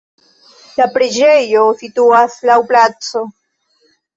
La preĝejo situas laŭ placo.